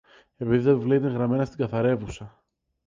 επειδή τα βιβλία ήταν γραμμένα στην καθαρεύουσα.